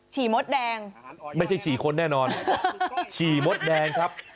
ี่มดแดงไม่ใช่ฉี่คนแน่นอนฉี่มดแดงครับ